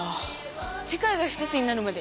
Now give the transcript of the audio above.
「世界がひとつになるまで」